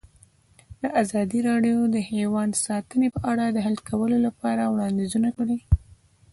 ازادي راډیو د حیوان ساتنه په اړه د حل کولو لپاره وړاندیزونه کړي.